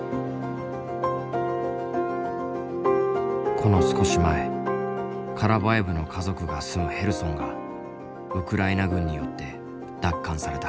この少し前カラヴァエヴの家族が住むヘルソンがウクライナ軍によって奪還された。